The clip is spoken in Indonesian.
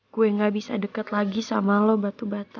gue gak bisa deket lagi sama lo batu batu